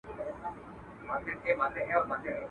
بس لکه تندر پر مځکه لوېږې.